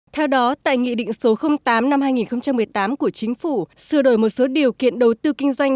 theo đó tại nghị định số tám năm hai nghìn một mươi tám của chính phủ sửa đổi một số điều kiện đầu tư kinh doanh